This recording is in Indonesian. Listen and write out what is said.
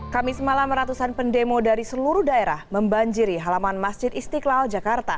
kamis malam ratusan pendemo dari seluruh daerah membanjiri halaman masjid istiqlal jakarta